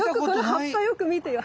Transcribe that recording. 葉っぱよく見てよ